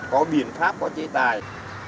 có biện pháp có chế tài